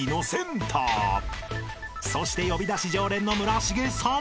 ［そして『呼び出し』常連の村重さん］